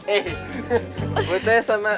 eh buat saya sama